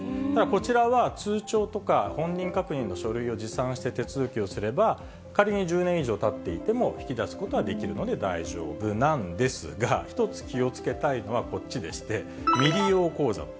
こちらは通帳とか、本人確認の書類を持参して手続きをすれば、仮に１０年以上たっていても、引き出すことはできるので大丈夫なんですが、一つ気をつけたいのは、こっちでして、未利用口座。